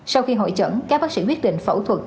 sau khi hội chẩn các bác sĩ quyết định phẫu thuật